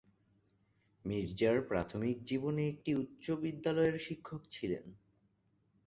মির্জার প্রাথমিক জীবনে একটি উচ্চ বিদ্যালয়ের শিক্ষক ছিলেন।